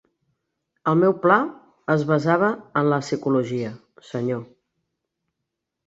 El meu pla es basava en la psicologia, senyor.